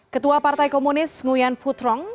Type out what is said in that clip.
ketua partai komunis nguyen phu trong